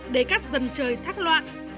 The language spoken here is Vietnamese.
để các dân chơi thác loạn